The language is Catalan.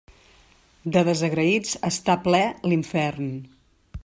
De desagraïts està ple l'infern.